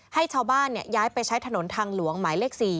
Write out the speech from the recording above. ให้ชาวบ้านย้ายไปใช้ถนนทางหลวงหมายเลข๔